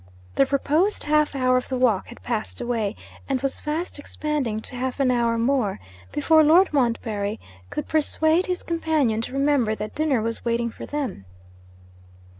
The proposed half hour of the walk had passed away, and was fast expanding to half an hour more, before Lord Montbarry could persuade his companion to remember that dinner was waiting for them.